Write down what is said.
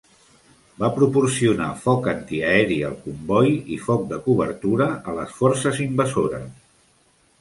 Va proporcionar foc antiaeri al comboi i foc de cobertura a les forces invasores.